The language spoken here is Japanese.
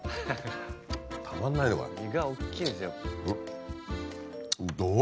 身がおっきいんですよ。